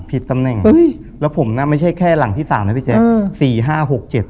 ผิดตำแหน่งแล้วผมน่ะไม่ใช่แค่หลังที่๓นะพี่แจ๊ค